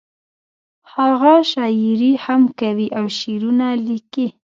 هغه شاعري هم کوي او شعرونه لیکي